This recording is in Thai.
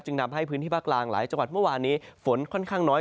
นำให้พื้นที่ภาคกลางหลายจังหวัดเมื่อวานนี้ฝนค่อนข้างน้อย